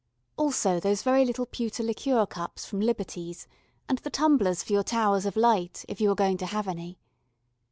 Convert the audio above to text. Also those very little pewter liqueur cups from Liberty's, and the tumblers for your towers of light, if you are going to have any.